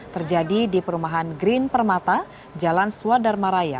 terjadi di perumahan green permata jalan swadarmaraya